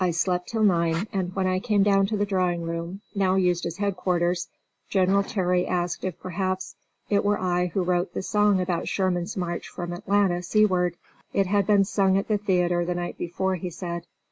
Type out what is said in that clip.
I slept till nine, and when I came down to the drawing room, now used as headquarters, General Terry asked if perhaps it were I who wrote the song about Sherman's March from Atlanta seaward. It had been sung at the theater the night before, he said.